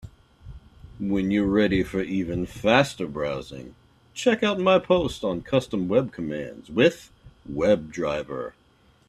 When you are ready for even faster browsing, check out my post on Custom web commands with WebDriver.